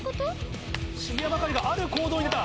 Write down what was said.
渋谷幕張がある行動に出た。